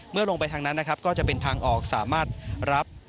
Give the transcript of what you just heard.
ลงไปทางนั้นนะครับก็จะเป็นทางออกสามารถรับ